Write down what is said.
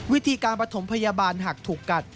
วิธีการประถมพยาบาลหากถูกกัด